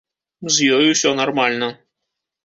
З ёй усё нармальна.